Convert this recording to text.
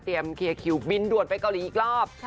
เตรียมเครียร์คิวบิ้นด่วนไปกาหลีอีกรอบ